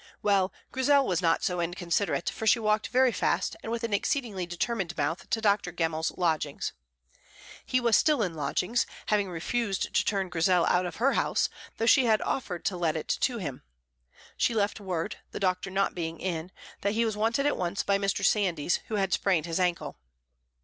Well, Grizel was not so inconsiderate, for she walked very fast and with an exceedingly determined mouth to Dr. Gemmell's lodgings. He was still in lodgings, having refused to turn Grizel out of her house, though she had offered to let it to him. She left word, the doctor not being in, that he was wanted at once by Mr. Sandys, who had sprained his ankle.